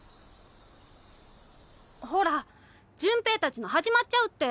ほら潤平たちの始まっちゃうって。